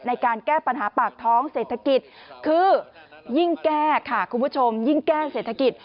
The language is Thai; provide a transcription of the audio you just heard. ในการแก้ปัญหาปากท้องเศรษฐกิจคือยิ่งแก้ค่ะคุณผู้ชมยิ่งแก้เศรษฐกิจ